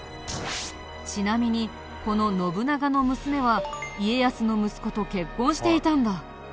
ちなみにこの信長の娘は家康の息子と結婚していたんだ。